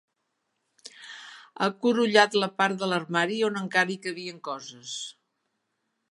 Ha curullat la part de l'armari on encara hi cabien coses.